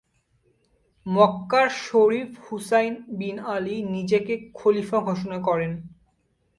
মক্কার Sharif Hussein bin Ali নিজেকে খলিফা ঘোষণা করেন।